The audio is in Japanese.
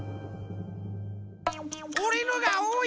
おれのがおおい？